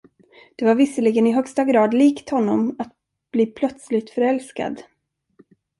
Det var visserligen i högsta grad likt honom att bli plötsligt förälskad.